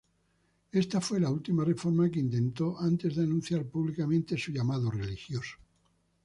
Esta fue la última reforma que intentó antes de anunciar públicamente su llamado religioso.